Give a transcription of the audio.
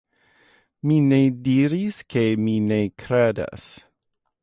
Mi ne diris ke mi ne kredas.